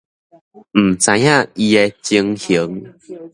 毋知影伊的情形